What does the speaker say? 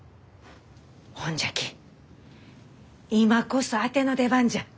ほんじゃき今こそあての出番じゃ。